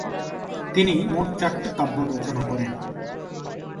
তিনি মোট চারটি কাব্য রচনা করেন।